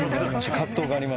葛藤がありました。